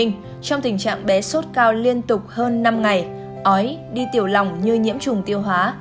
trong tình trạng bé sốt cao liên tục hơn năm ngày ói đi tiểu lòng như nhiễm trùng tiêu hóa